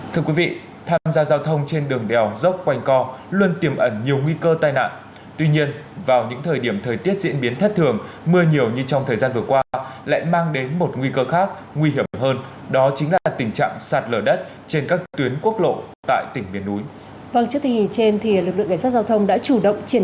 thưa quý vị tham gia giao thông trên đường đèo dốc quanh co luôn tiềm ẩn nhiều nguy cơ tai nạn tuy nhiên vào những thời điểm thời tiết diễn biến thất thường mưa nhiều như trong thời gian vừa qua lại mang đến một nguy cơ khác nguy hiểm hơn đó chính là tình trạng sạt lở đất trên các tuyến quốc lộ tại tỉnh biển núi